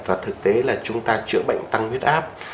và thực tế là chúng ta chữa bệnh tăng huyết áp